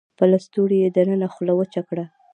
پۀ لستوڼي يې د تندي خوله وچه کړه